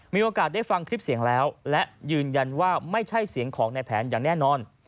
มีโอกาสได้ฟังคลิปเสียงแล้วและยืนยันว่าไม่ใช่เสียงของในแผนอย่างแน่นอน